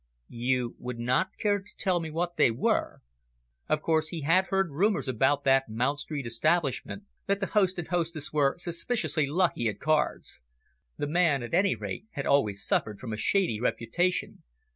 "You would not care to tell me what they were?" Of course he had heard rumours about that Mount Street establishment, that the host and hostess were suspiciously lucky at cards. The man, at any rate, had always suffered from a shady reputation.